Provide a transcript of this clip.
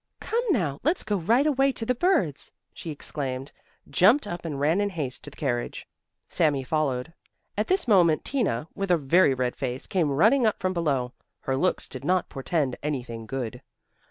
"Come now, let's go right away to the birds," she exclaimed, jumped up and ran in haste to the carriage. Sami followed. At this moment Tina, with a very red face, came running up from below. Her looks did not portend anything good.